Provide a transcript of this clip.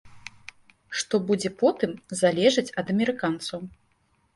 Што будзе потым, залежыць ад амерыканцаў.